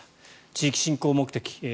地域振興目的。